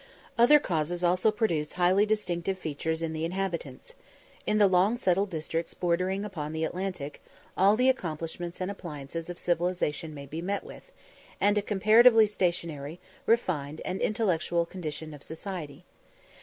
Other causes also produce highly distinctive features in the inhabitants. In the long settled districts bordering upon the Atlantic, all the accompaniments and appliances of civilisation may be met with, and a comparatively stationary, refined, and intellectual condition of society.